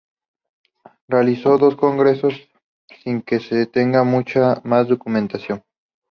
Realizó dos congresos sin que se tenga mucha más documentación.